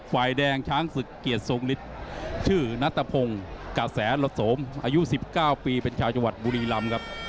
ฝ่ายแดงช้างศึกเกียรติทรงฤทธิ์ชื่อนัตรพงศ์กะแสลโสมอายุ๑๙ปีเป็นชาวจังหวัดบุรีรำครับ